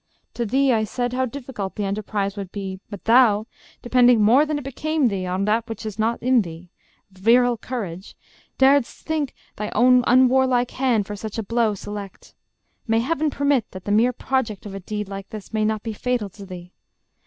To thee I said How difficult the enterprise would be; But thou, depending more than it became thee On that which is not in thee, virile courage, Daredst thyself thy own unwarlike hand For such a blow select. May Heaven permit That the mere project of a deed like this May not be fatal to thee!